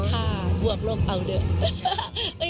ถ่าบวกลบเอาด้วย